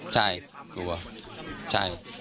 ใช่